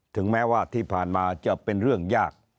ถึงแม้ว่าที่ผ่านมาจะเป็นเรื่องยาก